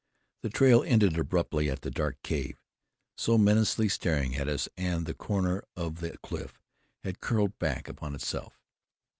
The trail ended abruptly at the dark cave, so menacingly staring at us, and the corner of the cliff had curled back upon itself.